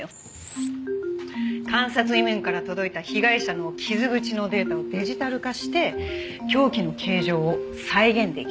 監察医務院から届いた被害者の傷口のデータをデジタル化して凶器の形状を再現出来るの。